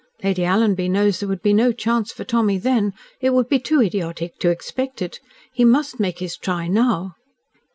Lady Alanby knows there would be no chance for Tommy then. It would be too idiotic to expect it. He must make his try now."